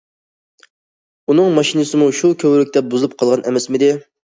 ئۇنىڭ ماشىنىسىمۇ شۇ كۆۋرۈكتە بۇزۇلۇپ قالغان ئەمەسمىدى؟!